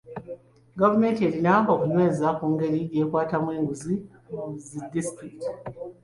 Gavumenti erina okunyweza ku ngeri gy'ekwatamu enguzi mu zi disitulikiti.